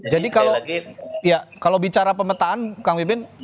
jadi kalau bicara pemetaan kang wibin